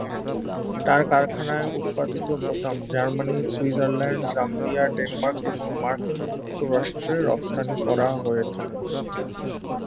তাঁর কারখানায় উৎপাদিত বোতাম জার্মানি, সুইজারল্যান্ড, জাম্বিয়া, ডেনমার্ক এবং মার্কিন যুক্তরাষ্ট্রে রফতানি করা হয়ে থাকে।